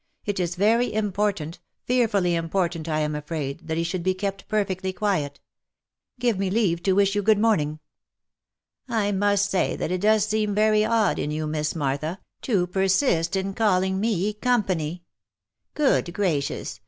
It is very important — fearfully important, I am afraid — that he should be kept perfectly quiet ! Give me leave to wish you good morning." " I must say that it does seem veryjxld in you, Miss Martha, to per* L OF MICHAEL ARMSTRONG. 355 sist in calling me company. Good gracious